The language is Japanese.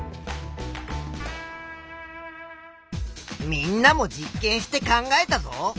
みんなも実験して考えたぞ。